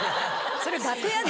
それ楽屋で。